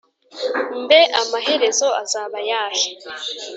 mbe amaherezo azaba ayahe’